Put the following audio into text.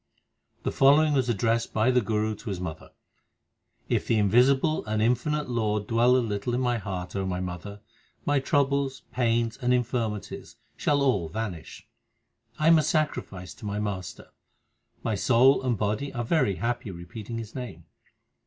The following was addressed by the Guru to his mother : If the invisible and infinite Lord dwell a little in my heart, my mother, my troubles, pains, and infirmities shall all vanish. 1 am a sacrifice to my Master. My soul and body are very happy repeating His name.